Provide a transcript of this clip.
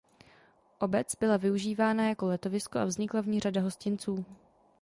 Obec byla využívána jako letovisko a vznikla v ní řada hostinců.